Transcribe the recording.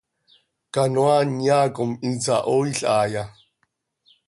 ¿Canoaa nyaa com insahooil haaya?